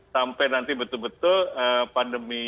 sampai nanti betul betul pandemi